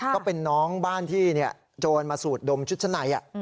ก็เป็นน้องบ้านที่โจรมาสูดดมชุดชั้นใน